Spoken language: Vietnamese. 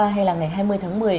hay là ngày hai mươi tháng một mươi